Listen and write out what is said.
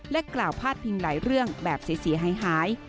กล่าวพาดพิงหลายเรื่องแบบเสียหาย